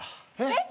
えっ？